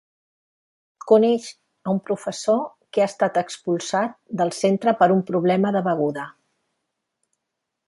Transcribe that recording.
Coneix a un professor que ha estat expulsat del centre per un problema de beguda.